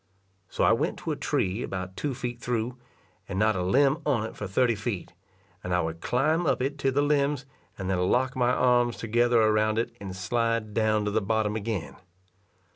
So I went to a tree about two feet through, and not a limb on it for thirty feet, and I would climb up it to the limbs, and then lock my arms together around it, and slide down to the bottom again.